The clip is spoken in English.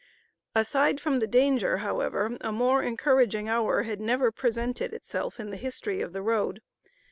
Aside from the danger, however, a more encouraging hour had never presented itself in the history of the Road.